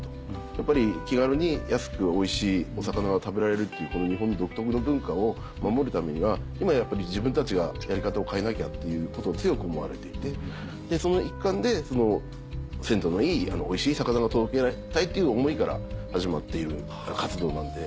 やっぱり気軽に安くおいしいお魚が食べられるっていうこの日本独特の文化を守るためには今やっぱり自分たちがやり方を変えなきゃっていうことを強く思われていてその一環で鮮度のいいおいしい魚を届けたいっていう思いから始まっている活動なんで。